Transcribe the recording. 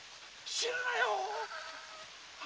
死ぬなよ